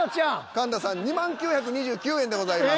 神田さん２万９２９円でございます。